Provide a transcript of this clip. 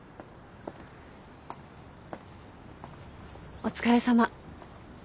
お疲れさま。